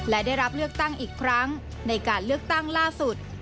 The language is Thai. และได้รับเลือกตั้งอีกครั้งในการเลือกตั้งล่าสุด